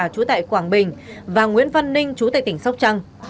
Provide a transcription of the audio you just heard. chú tại quảng bình và nguyễn văn ninh chú tại tỉnh sóc trăng